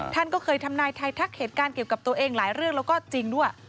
ท่านก็เคยทำนายไทยทักเหตุการณ์เกี่ยวกับตัวเองหลายเรื่องแล้วก็จริงด้วย